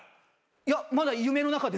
いやまだ夢の中です。